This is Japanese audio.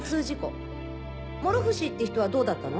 諸伏って人はどうだったの？